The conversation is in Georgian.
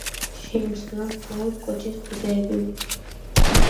შეიმჩნევა მხოლოდ კოჭის ბუდეები.